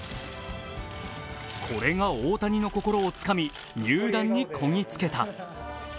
これが大谷の心をつかみ、入団にこぎ着けた。